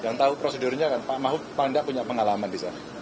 yang tahu prosedurnya kan pak moky punya pengalaman bisa